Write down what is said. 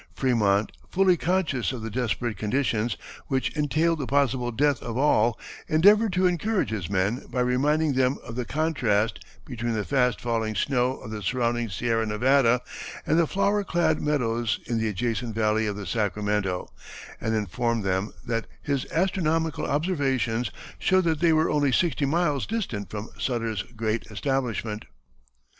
Frémont, fully conscious of the desperate conditions, which entailed the possible death of all, endeavored to encourage his men by reminding them of the contrast between the fast falling snow of the surrounding Sierra Nevada and the flower clad meadows in the adjacent valley of the Sacramento, and informed them that his astronomical observations showed that they were only sixty miles distant from Sutter's great establishment.